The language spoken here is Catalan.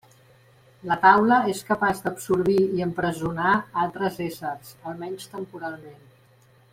La taula és capaç d'absorbir i empresonar altres éssers, almenys temporalment.